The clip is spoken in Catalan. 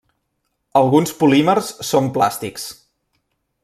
Alguns polímers són plàstics.